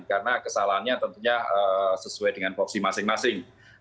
karena kesalahannya tentunya sesuai dengan voksi masing masing